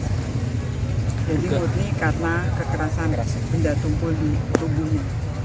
jadi ini karena kekerasan benda tumpul di tubuhnya